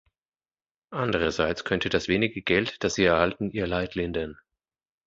Andererseits könnte das wenige Geld, das sie erhalten, ihr Leid lindern.